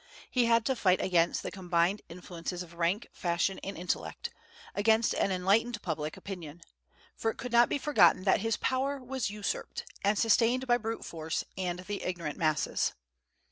He had to fight against the combined influences of rank, fashion, and intellect, against an enlightened public opinion; for it could not be forgotten that his power was usurped, and sustained by brute force and the ignorant masses.